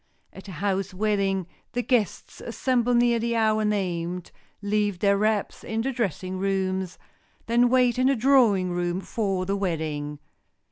At a house wedding the guests assemble near the hour named, leave their wraps in the dressing rooms, then wait in the drawing room for the wedding.